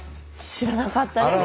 知らなかったです。